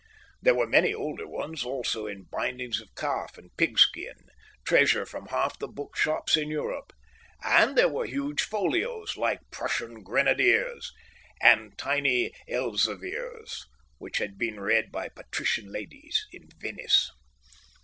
There were many older ones also in bindings of calf and pigskin, treasure from half the bookshops in Europe; and there were huge folios like Prussian grenadiers; and tiny Elzevirs, which had been read by patrician ladies in Venice.